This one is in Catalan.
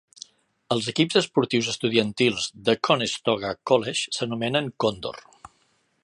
Els equips esportius estudiantils de Conestoga College s'anomenen "Condor".